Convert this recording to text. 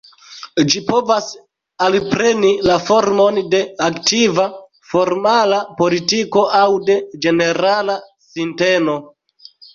Ĝi povas alpreni la formon de aktiva, formala politiko aŭ de ĝenerala sinteno.